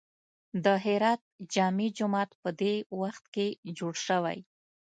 د هرات جامع جومات په دې وخت کې جوړ شوی.